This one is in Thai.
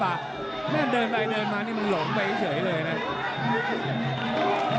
เพราะฉะนั้นเดินไปในกลมเริ่มหลงไปเฉยเลยนะ